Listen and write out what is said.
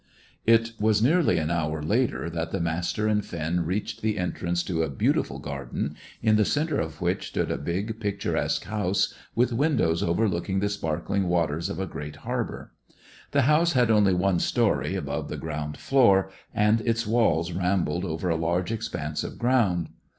It was nearly an hour later that the Master and Finn reached the entrance to a beautiful garden, in the centre of which stood a big, picturesque house, with windows overlooking the sparkling waters of a great harbour. The house had only one storey above the ground floor, and its walls rambled over a large expanse of ground.